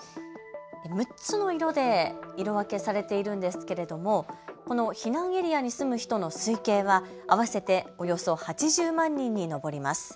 ６つの色で色分けされているんですけれどもこの避難エリアに住む人の推計は合わせておよそ８０万人に上ります。